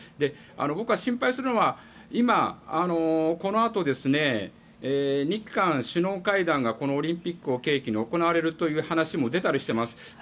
僕は心配するのは今、このあと日韓首脳会談がこのオリンピックを契機に行われるという話も出たりしています。